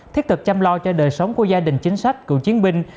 thiết thực chăm lo cho đời sống của gia đình chính sách cựu chiến binh